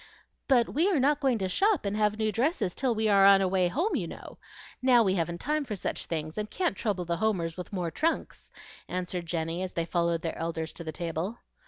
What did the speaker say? "But we are not going to shop and have new dresses till we are on our way home, you know. Now we haven't time for such things, and can't trouble the Homers with more trunks," answered Jenny, as they followed their elders to the table.